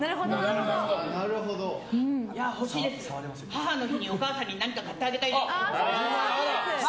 母の日にお母さんに何か買ってあげたいです。